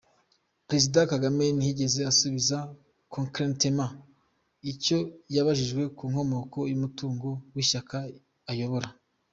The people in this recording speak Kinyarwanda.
Perezida Kagame ntiyigeze asubiza concrètement icyo yabajijwe ku nkomoko y’umutungo w’ishyaka ayobora.